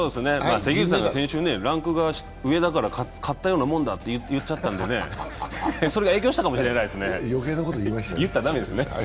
関口さんが先週、ランクが上だから勝ったようなもんだと言っちゃったんで、それが影響しちゃったかもしれないですね。